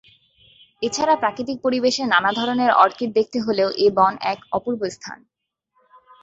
এছাড়া প্রাকৃতিক পরিবেশে নানা ধরনের অর্কিড দেখতে হলেও এ বন এক অপূর্ব স্থান।